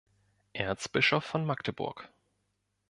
Erzbischof von Magdeburg.